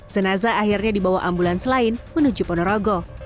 senaza akhirnya dibawa ambulans lain menuju ponorogo